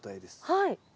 はい。